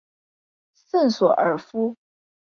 圣索尔夫。